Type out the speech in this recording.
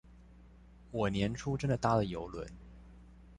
我年初真的搭了郵輪